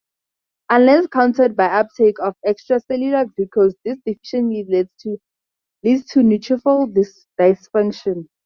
Unless countered by uptake of extracellular glucose this deficiency leads to neutrophil dysfunction.